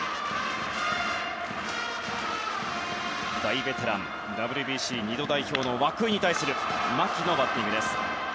大ベテラン、ＷＢＣ２度代表の涌井に対する牧のバッティングです。